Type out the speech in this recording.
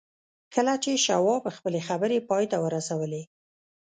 کله چې شواب خپلې خبرې پای ته ورسولې